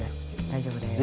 大丈夫です。